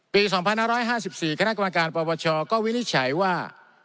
ปีสองพันห้าร้อยห้าสิบสี่คณะกรรมการประวัติชาวก็วินิจฉัยว่า